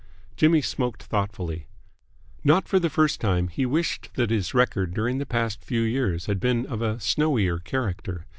Jimmy smoked thoughtfully. Not for the first time he wished that his record during the past few years had been of a snowier character.